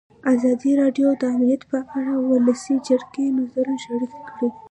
ازادي راډیو د امنیت په اړه د ولسي جرګې نظرونه شریک کړي.